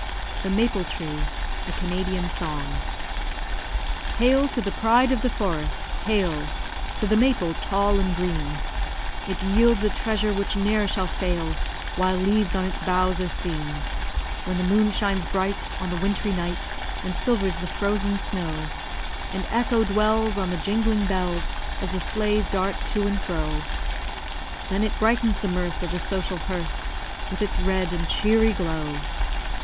THE MAPLE TREE A CANADIAN SONG Hail to the pride of the forest hail To the maple, tall and green; It yields a treasure which ne'er shall fail While leaves on its boughs are seen. When the moon shines bright, On the wintry night, And silvers the frozen snow; And echo dwells On the jingling bells As the sleighs dart to and fro; Then it brightens the mirth Of the social hearth With its red and cheery glow.